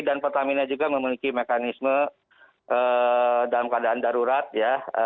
pertamina juga memiliki mekanisme dalam keadaan darurat ya